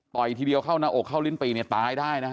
ต่อยทีเดียวเข้าหน้าอกเข้าลิ้นไปตายได้